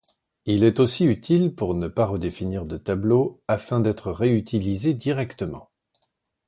Il est aussi utile pour ne pas redéfinir de tableau afin d'être réutilisé directement.